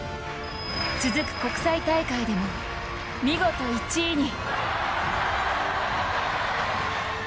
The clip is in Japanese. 続く国際大会でも見事１位に。